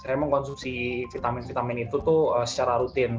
saya mengonsumsi vitamin vitamin itu secara rutin